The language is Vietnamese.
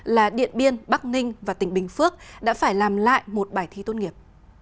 là điện biên bắc ninh và tỉnh bình phước đã phải làm lại một bài thi tốt nghiệp